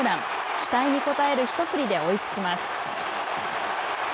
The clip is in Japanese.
期待に応える一振りで追いつきます。